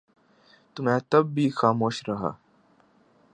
تو میں تب بھی خاموش رہا